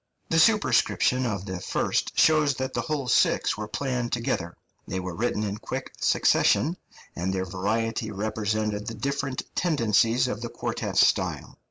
The superscription of the first shows that the whole six were planned together; they were written in quick succession, and their variety represented the different tendencies of the quartet style.